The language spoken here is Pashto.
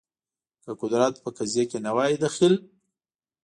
که قدرت په قضیه کې نه وای دخیل